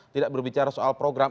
tidak berbicara soal program